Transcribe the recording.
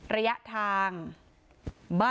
นี่แหละตรงนี้แหละ